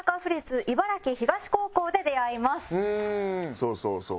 そうそうそう。